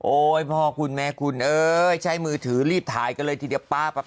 พ่อคุณแม่คุณเอ้ยใช้มือถือรีบถ่ายกันเลยทีเดียวป๊า